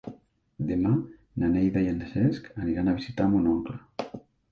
Demà na Neida i en Cesc aniran a visitar mon oncle.